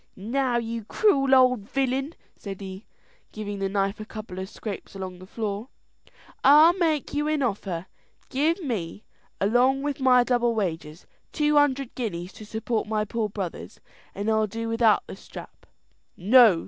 "Now you cruel old villain," said he, giving the knife a couple of scrapes along the floor, "I'll make you an offer. Give me, along with my double wages, two hundred guineas to support my poor brothers, and I'll do without the strap." "No!"